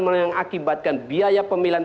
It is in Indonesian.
menyakibatkan biaya pemilihan